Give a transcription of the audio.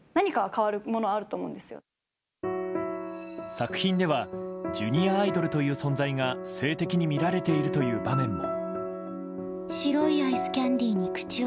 作品ではジュニアアイドルという存在が性的に見られているという場面も。